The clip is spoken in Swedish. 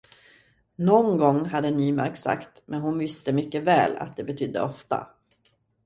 Någon gång, hade Nymark sagt, men hon visste mycket väl, att det betydde ofta.